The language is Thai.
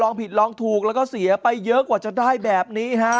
ผิดลองถูกแล้วก็เสียไปเยอะกว่าจะได้แบบนี้ฮะ